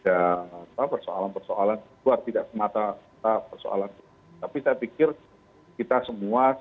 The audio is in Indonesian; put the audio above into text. ada apa persoalan persoalan luar tidak semata persoalan tapi saya pikir kita semua